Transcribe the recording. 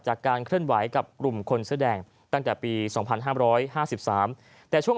จากการเคลื่อนไหวกับกลุ่มคนแสดงตั้งแต่ปีสองพันห้ามร้อยห้าสิบสามแต่ช่วง